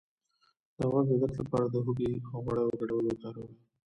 د غوږ د درد لپاره د هوږې او غوړیو ګډول وکاروئ